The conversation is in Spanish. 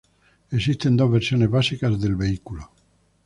Existen dos versiones básicas del vehículo.